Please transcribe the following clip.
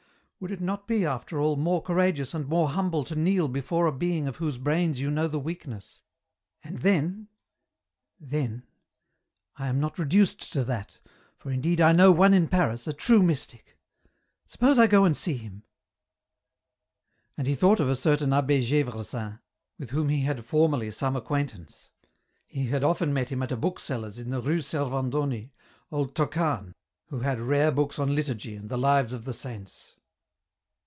Would it not be, after all, more courageous and more humble to kneel before a being of whose brains you know the weakness ?" And then ... then ... I am not reduced to that, for indeed I know one in Paris, a true mystic. Suppose I go and see him !" And he thought of a certain Ahh6 Gdvresin, with whom he had formerly some acquaintance ; he had often met him at a bookseller's in the Rue Servandoni, old Tocane, who had rare books on liturgy and the lives of the saints.